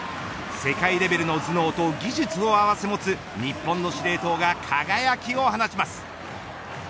世界レベルの頭脳と技術を併せ持つ日本の司令塔が輝きを放ちます。